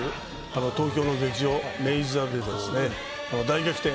東京の劇場、明治座で、大逆転！